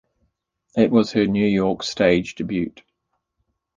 It was her New York stage debut.